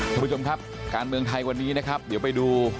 คุณผู้ชมครับการเมืองไทยวันนี้นะครับเดี๋ยวไปดู